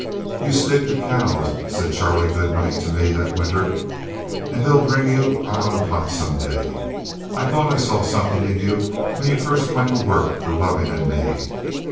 "You stick to cows," said Charlie Goodnight to me that winter, "and they'll bring you out on top some day. I thought I saw something in you when you first went to work for Loving and me.